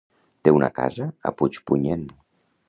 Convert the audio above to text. Té una casa a Puigpunyent.